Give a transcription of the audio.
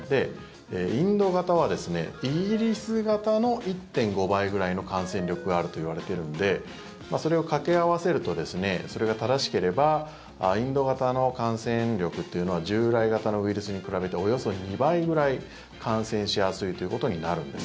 インド型は、イギリス型の１．５倍ぐらいの感染力があるといわれているのでそれを掛け合わせるとそれが正しければインド型の感染力というのは従来型のウイルスに比べておよそ２倍ぐらい感染しやすいということになるんです。